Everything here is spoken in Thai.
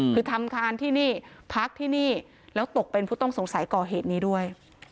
คือทำคานที่นี่พักที่นี่แล้วตกเป็นผู้ต้องสงสัยก่อเหตุนี้ด้วย